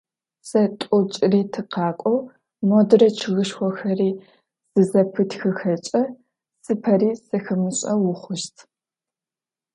Зэ, тӏо джыри тыкъакӏоу, модрэ чъыгышхохэри зызэпытхыхэкӏэ, зыпари зэхэмышӏэу ухъущт.